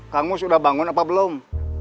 kang mus udah bangun apa belum